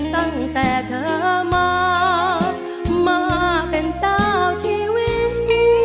ตั้งแต่เธอมามาเป็นเจ้าชีวิต